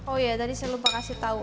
oh ya tadi saya lupa kasih tahu